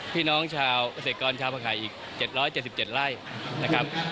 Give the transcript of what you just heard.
พี่น้องเศรษฐกรชาวผักไห่อีก๗๗๗ไร่นะครับ